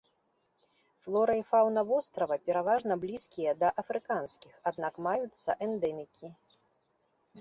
Флора і фаўна вострава пераважна блізкія да афрыканскіх, аднак маюцца эндэмікі.